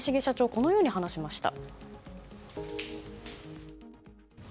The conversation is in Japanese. このように話しました。